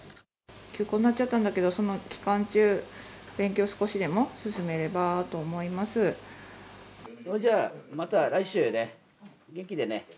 休校になっちゃったんだけど、その期間中、勉強少しでも進めれそれじゃ、また来週ね。